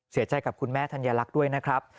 เสียใจกับคุณแม่ธัญลักษณ์ด้วยนะครับ